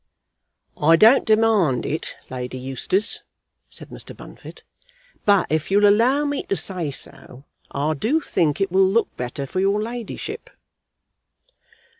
"I don't demand it, Lady Eustace," said Mr. Bunfit, "but if you'll allow me to say so, I do think it will look better for your ladyship."